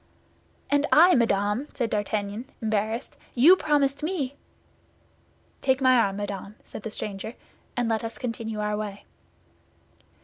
"And I, madame!" said D'Artagnan, embarrassed; "you promised me—" "Take my arm, madame," said the stranger, "and let us continue our way."